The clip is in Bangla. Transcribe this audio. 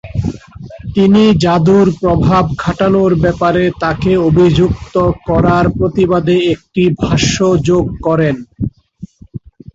তিনি জাদুর প্রভাব খাটানোর ব্যাপারে তাকে অভিযুক্ত করার প্রতিবাদে একটি ভাষ্য যোগ করেন।